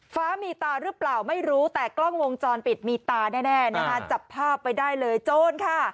ฟ้ามีตาหรือเปล่าไม่รู้แต่กล้องวงจรปิดมีตาแน่นะคะจับภาพไว้ได้เลยโจรค่ะ